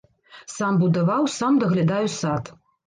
Сам будаваў, сам даглядаю сад.